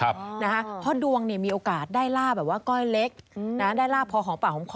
เพราะว่าดวงมีโอกาสได้ล่าแบบว่าก้อยเล็กได้ล่าพอของฝั่งของคอ